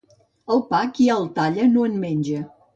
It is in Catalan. El pa, qui el talla, no en menja.